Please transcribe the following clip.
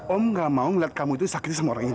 om tidak mau melihat kamu itu disakiti sama orang ini